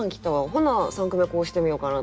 ほな三句目こうしてみようかなとか。